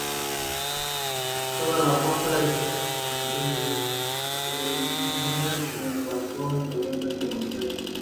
Toda la fuerza expedicionaria se embarcó de vuelta hacia Buenos Aires.